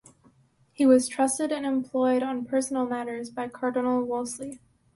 He was trusted and employed on personal matters by Cardinal Wolsey.